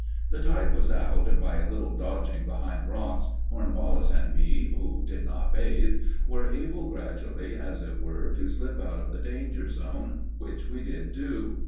The tide was out, and, by a little dodging behind rocks, Cornwallis and me, who did not bathe, were able gradually, as it were, to slip out of the danger zone; which we did do.